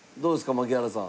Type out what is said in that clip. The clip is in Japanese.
槙原さん。